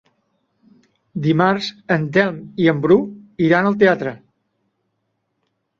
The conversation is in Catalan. Dimarts en Telm i en Bru iran al teatre.